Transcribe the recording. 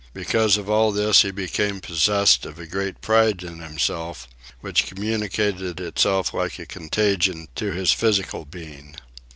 Because of all this he became possessed of a great pride in himself, which communicated itself like a contagion to his physical being.